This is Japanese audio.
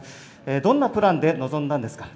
どんなプランで臨んでいますか？